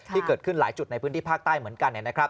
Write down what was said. ที่เกิดขึ้นหลายจุดในพื้นที่ภาคใต้เหมือนกันนะครับ